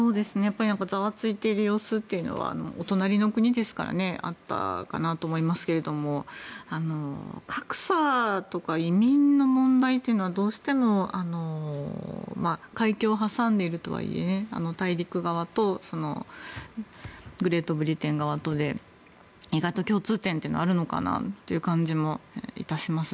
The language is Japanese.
ざわついている様子っていうのはお隣の国ですからあったと思いますけども格差とか移民の問題というのはどうしても海峡を挟んでいるとはいえ大陸側とグレートブリテン側とで意外と共通点はあるのかなっていう感じもいたします。